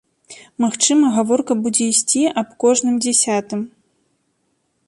Магчыма, гаворка будзе ісці аб кожным дзясятым.